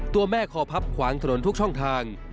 ตัวแม่คอพับขวางถนนทุกช่องทาง